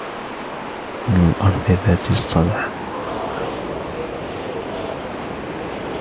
وَالْأَرْضِ ذَاتِ الصَّدْعِ